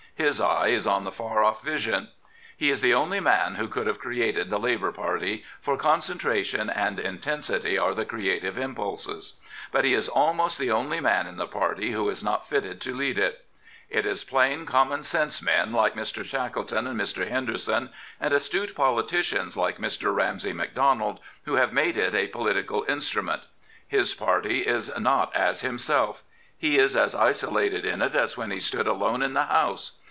His eye is on the far off vision. He is the only man who could have created the Labour Party, for concentration and intensity are the creative impulses. But he is almost the only man in the party who is not fitted to lead it. It is plain, common sense men like Mr. Shackleton and Mr. Henderson, and astute politicians like Mr. Ramsay Macdonald who have made it a political instrument. His party is not as himself. He is as isolated in it as when he stood alone in the House.